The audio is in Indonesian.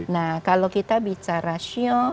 nah kalau kita bicara show